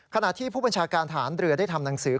ขณะที่ผู้บัญชาการฐานเรือได้ทำหนังสือ